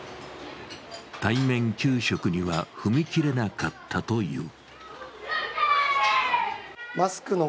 対面給食には踏み切れなかったという。